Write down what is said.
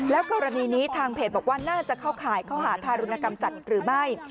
กรณีนี้ทางเพจบอกว่าน่าจะเข้าข่ายข้อหาทารุณกรรมสัตว์หรือไม่